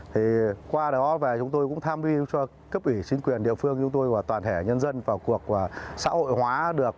thì qua đó về chúng tôi cũng tham vi cho cấp ủy chính quyền địa phương chúng tôi và toàn thể nhân dân vào cuộc xã hội hóa được